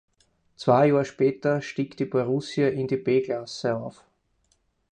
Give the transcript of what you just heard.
Zwei Jahre später stieg die Borussia in die B-Klasse auf.